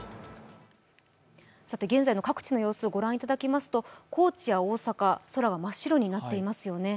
現在の各地の様子をご覧いただきますと高知や大阪、空は真っ白になっていますよね。